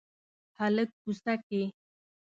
هلک کوڅه کې